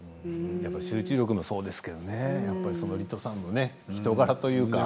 集中力もそうですけれどもリトさんの人柄というか。